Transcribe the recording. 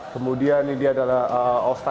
kemudian ini adalah all star